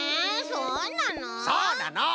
そうなの！